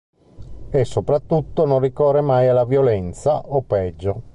E soprattutto non ricorre mai alla violenza, o peggio.